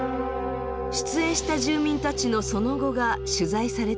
出演した住民たちのその後が取材されていました。